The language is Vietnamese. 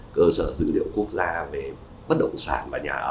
cơ sở dữ liệu quốc gia về bất động sản và nhà ở